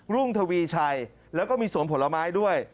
รุ่งทวีชัยแล้วก็มีสวนผลไม้ด้วย